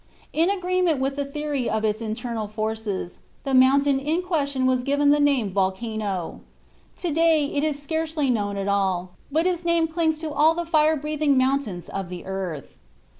In agreement with the theory of its internal forces, the mountain in question was given the name of Volcano. To day it is scarcely known at all, but its name clings to all the fire breathing mountains of the earth.